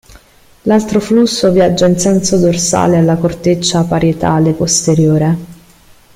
L'altro flusso viaggia in senso dorsale alla corteccia parietale posteriore.